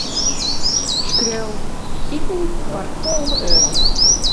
Skriuw: iten foar tolve euro.